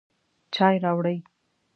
چای راوړئ